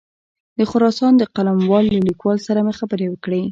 د خراسان د قلموال له لیکوال سره مې خبرې وکړې.